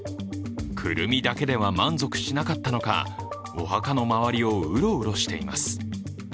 クルミだけでは満足しなかったのかお墓の周りをうろうろしています。